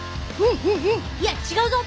いや違うぞ！